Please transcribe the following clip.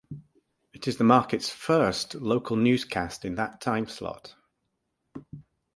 It is the market's first local newscast in that timeslot.